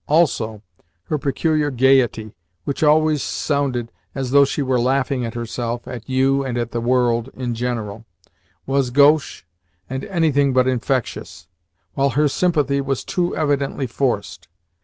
Also, her peculiar gaiety which always sounded as though she were laughing at herself, at you, and at the world in general was gauche and anything but infectious, while her sympathy was too evidently forced.